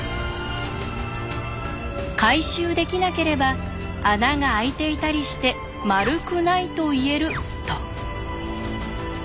回収できなければ穴が開いていたりして丸くないと言えると。